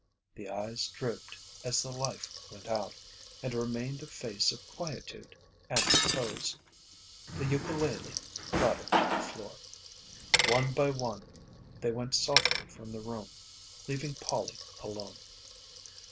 The eyes drooped as the life went out, and remained a face of quietude and repose. The ukulele clattered to the floor. One by one they went softly from the room, leaving Polly alone.